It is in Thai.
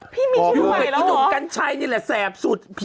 พี่มีชื่อใหม่แล้วหรออยู่กับอีหนุ่มกันใช่นี่แหละแสบสุด